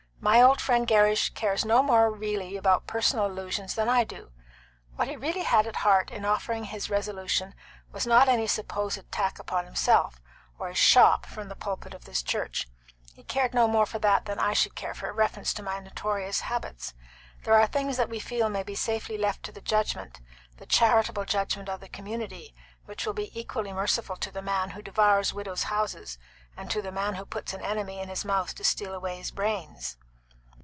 My old friend Gerrish cares no more really about personal allusions than I do. What he really had at heart in offering his resolution was not any supposed attack upon himself or his shop from the pulpit of this church. He cared no more for that than I should care for a reference to my notorious habits. These are things that we feel may be safely left to the judgment, the charitable judgment, of the community, which will be equally merciful to the man who devours widows' houses and to the man who 'puts an enemy in his mouth to steal away his brains.'"